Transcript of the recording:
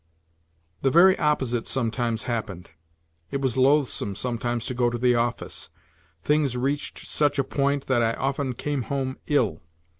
The very opposite sometimes happened. It was loathsome sometimes to go to the office ; things reached such a point that I often came home ill.